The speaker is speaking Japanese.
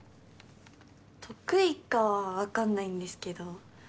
得意かはわかんないんですけど。